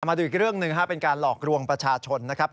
มาดูอีกเรื่องหนึ่งเป็นการหลอกลวงประชาชนนะครับ